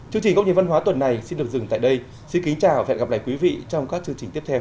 chương trình góc nhìn văn hóa tuần này xin được dừng tại đây xin kính chào và hẹn gặp lại quý vị trong các chương trình tiếp theo